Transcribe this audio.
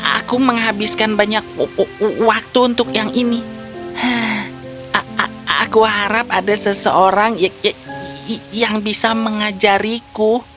aku menghabiskan banyak waktu untuk yang ini aku harap ada seseorang yang bisa mengajariku